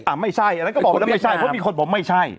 ไม่ใช่อันนั้นก็บอกแล้วไม่ใช่เพราะมีคนบอกไม่ใช่